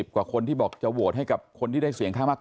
กว่าคนที่บอกจะโหวตให้กับคนที่ได้เสียงข้างมาก